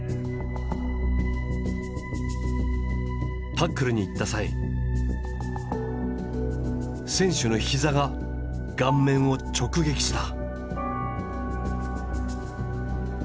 タックルに行った際選手の膝が顔面を直撃した。